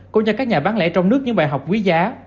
cũng như các nhà bán lẻ trong nước những bài học quý giá